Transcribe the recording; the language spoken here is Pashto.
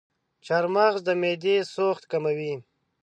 چارمغز د معدې سوخت کموي.